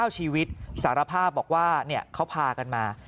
๙ชีวิตสารภาพบอกว่าเขาพากันมา